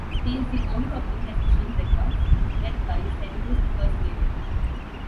He is the owner of Indecision Records, Death by Stereo's first label.